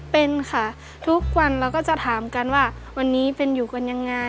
เป็นค่ะทุกวันเราก็จะถามกันว่าวันนี้เป็นอยู่กันยังไง